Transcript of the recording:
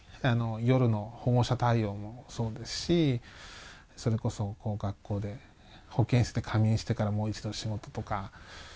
夜の保護者対応もそうですし、それこそ学校で保健室で仮眠してからもう一度仕事とか。